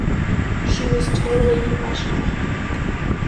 She was totally professional.